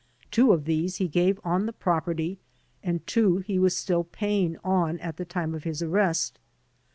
Two of these he gave on the property and two he was still paying on at the time of his arrest.